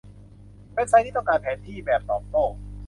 เว็บไซต์นี้ต้องการแผนที่แบบตอบโต้